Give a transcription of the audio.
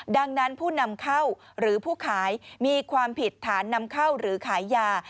ดังนั้นผู้นำเข้าหรือผู้ขายมีความผิดฐานนำเข้าหรือขายยา